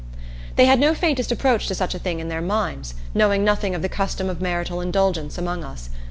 They had no faintest approach to such a thing in their minds, knowing nothing of the custom of marital indulgence among us.